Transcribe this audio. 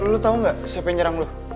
lo tau gak siapa yang nyerang lo